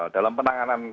dalam penanganan kasus